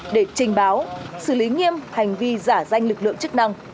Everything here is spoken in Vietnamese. để trình báo xử lý nghiêm hành vi giả danh lực lượng chức năng